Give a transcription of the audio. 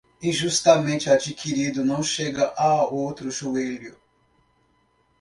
Injustamente adquirido não chega a outro joelho.